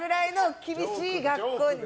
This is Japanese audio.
厳しい学校。